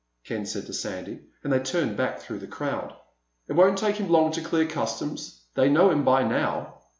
Ken said to Sandy, and they turned back through the crowd. "It won't take him long to clear customs. They know him by now."